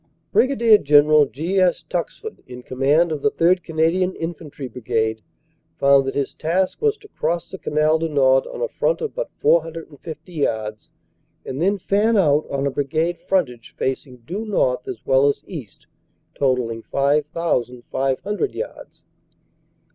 Brig. General G. S. Tuxford, in command of the 3rd. Can adian Infantry Brigade, found that his task was to cross the Canal du Nord on a front of but 450 yards and then fan out on a Brigade frontage facing due north as well as east, totalling 5,500 yards.